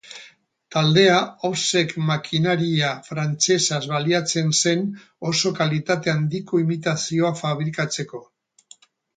Taldea offset makinaria frantsesaz baliatzen zen oso kalitate handiko imitazioak fabrikatzeko.